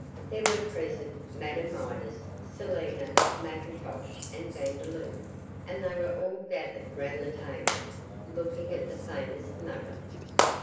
There were present Madame Midas, Selina, McIntosh, and Vandeloup, and they were all gathered round the table looking at the famous nugget.